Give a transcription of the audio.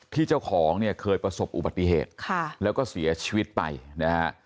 เจ้าของเนี่ยเคยประสบอุบัติเหตุค่ะแล้วก็เสียชีวิตไปนะฮะ